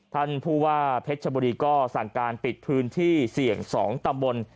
ท่านผู้ว่าเพชรชบุรีก็สั่งการปิดพื้นที่เสี่ยง๒ตำบล